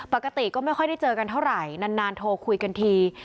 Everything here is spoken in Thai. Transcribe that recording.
ปกติก็ไม่ค่อยได้เจอกันเท่าไหร่นานโทรคุยกันที